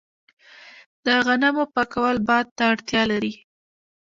د غنمو پاکول باد ته اړتیا لري.